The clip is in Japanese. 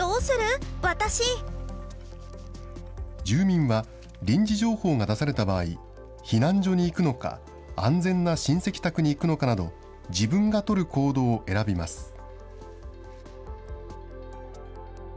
住民は、臨時情報が出された場合、避難所に行くのか、安全な親戚宅に行くのかなど、自分が取る行動を選びます。